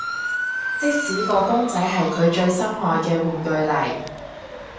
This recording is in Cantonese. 即使個公仔係佢最心愛嘅玩具嚟